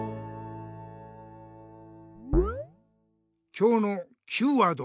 今日のＱワード